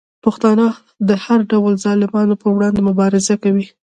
پښتانه د هر ډول ظالمانو په وړاندې مبارزه کوي.